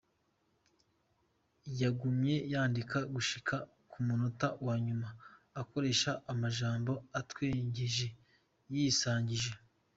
Yagumye yandika gushika ku munota wa nyuma akoresha amajambo atwengeje yisangije.